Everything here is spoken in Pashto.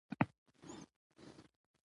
اقلیم د افغانستان طبعي ثروت دی.